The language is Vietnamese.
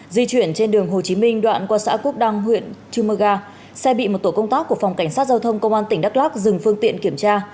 di chuyển trên đường hồ chí minh đoạn qua xã cúc đăng huyện trư mơ ga xe bị một tổ công tác của phòng cảnh sát giao thông công an tỉnh đắk lắc dừng phương tiện kiểm tra